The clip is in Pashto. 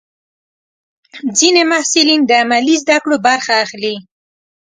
ځینې محصلین د عملي زده کړو برخه اخلي.